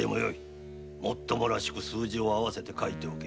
もっともらしく数字を合わせて書いておけ。